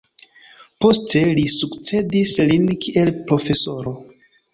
Poste li sukcedis lin kiel profesoro.